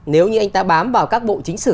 nếu như anh ta bám vào các bộ chính xử